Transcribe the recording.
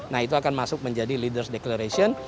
nah itu akan masuk menjadi leaders declaration